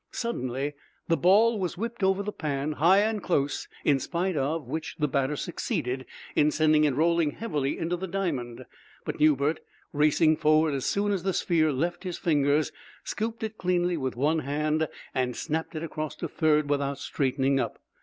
Suddenly the ball was whipped over the pan, high and close, in spite of which the batter succeeded in sending it rolling heavily into the diamond. But Newbert, racing forward as soon as the sphere left his fingers, scooped it cleanly with one hand and snapped it across to third without straightening up.